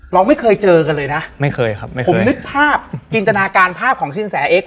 เราไม่เคยเจอกันเลยนะไม่เคยครับไม่เคยผมนึกภาพจินตนาการภาพของสินแสเอ็ก